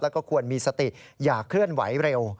แล้วก็ควรมีสติอย่าเคลื่อนไหวเร็ว